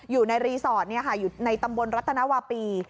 อยู่ในรีสอร์ทเนี่ยค่ะอยู่ในตำบลรัฐนาวาปี